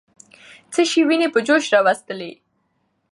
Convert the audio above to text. څه شی ويني په جوش راوستلې؟